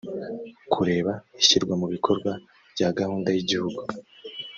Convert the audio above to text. kureba ishyirwa mu bikorwa rya gahunda y igihugu